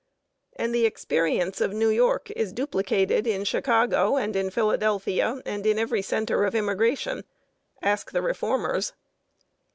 And the experience of New York is duplicated in Chicago and in Philadelphia and in every center of immigration. Ask the reformers.